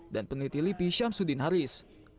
dan peneliti lipi syamsuddin haris